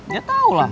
dia tau lah